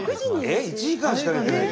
１時間しか寝てないの？